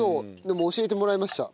でも教えてもらいました。